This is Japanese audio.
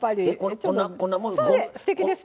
すてきです